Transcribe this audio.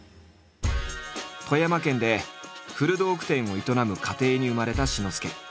富山県で古道具店を営む家庭に生まれた志の輔。